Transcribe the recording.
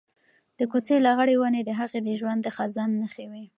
د کوڅې لغړې ونې د هغې د ژوند د خزان نښې وې.